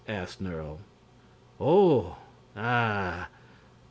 asked Nerle. "Oh! Ah!